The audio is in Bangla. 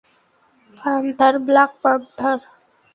Panther, black panther.